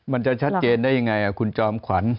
มันจะชัดเจนได้ยังไงคุณจอมขวัญ